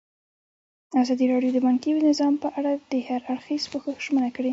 ازادي راډیو د بانکي نظام په اړه د هر اړخیز پوښښ ژمنه کړې.